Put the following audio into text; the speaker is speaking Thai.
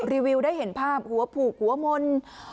วิวได้เห็นภาพหัวผูกหัวมนต์